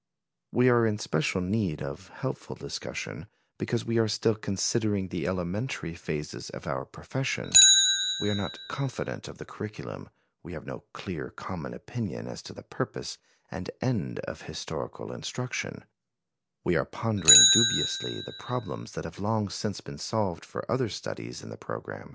We are in special need of helpful discussion, because we are still considering the elementary phases of our profession; we are not confident of the curriculum; we have no clear common opinion as to the purpose and end of historical instruction; we are pondering dubiously the problems that have long since been solved for other studies in the program.